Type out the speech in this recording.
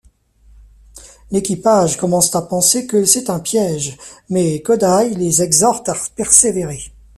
L'équipage commence à penser que c'est un piège, mais Kodai les exhorte à persévérer.